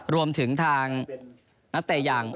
รวมถึงทางนักเตะอย่าง